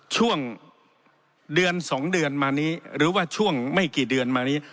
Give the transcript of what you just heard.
ช่วงเดือน๒เดือนมานี้หรือว่าช่วงไม่กี่เดือนมานี้